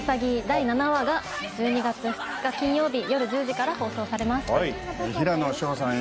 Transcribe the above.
第７話が１２月２日金曜日夜１０時から放送されます平野紫耀さん